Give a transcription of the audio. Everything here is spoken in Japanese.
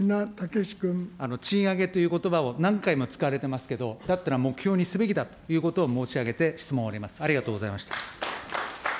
賃上げということばを何回も使われていますけれども、だったら目標にすべきだということを申し上げて質問を終わります。